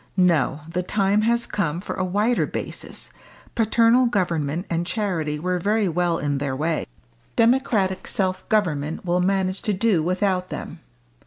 No! the time has come for a wider basis. Paternal government and charity were very well in their way democratic self government will manage to do without them!"